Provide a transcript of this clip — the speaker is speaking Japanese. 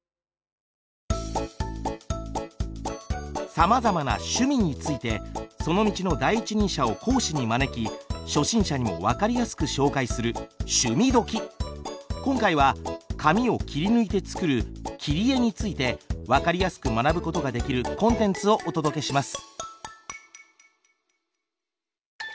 さまざまな趣味についてその道の第一人者を講師に招き初心者にも分かりやすく紹介する今回は紙を切り抜いて作る「切り絵」について分かりやすく学ぶことができるコンテンツをお届けします